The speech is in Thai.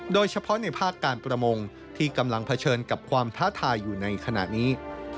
โดยเฉพาะในภาคการประมงที่กำลังเผชิญกับความท้าทายอยู่ในขณะนี้